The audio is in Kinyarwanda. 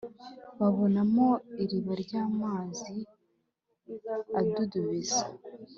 babonamo iriba ry amazi adudubiza